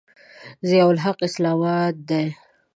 ضیأالحق اسلامه دی.